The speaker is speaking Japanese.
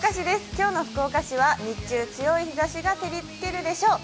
今日の福岡市では日中、強い日ざしが照りつけるでしょう。